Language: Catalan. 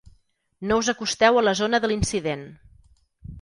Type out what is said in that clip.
No us acosteu a la zona de l'incident.